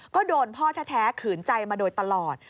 ก็โดนพ่อแท้ขืนใจมาโดยตลอด